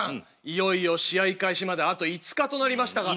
いよいよ試合開始まであと５日となりましたが。